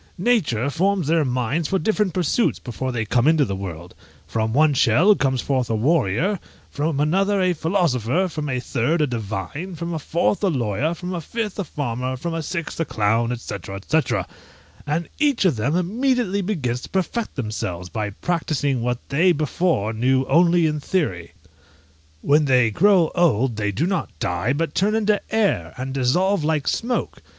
Nature forms their minds for different pursuits before they come into the world; from one shell comes forth a warrior, from another a philosopher, from a third a divine, from a fourth a lawyer, from a fifth a farmer, from a sixth a clown, &c. &c., and each of them immediately begins to perfect themselves, by practising what they before knew only in theory. When they grow old they do not die, but turn into air, and dissolve like smoke!